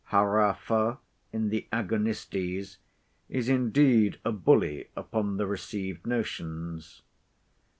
Harapha, in the "Agonistes," is indeed a bully upon the received notions.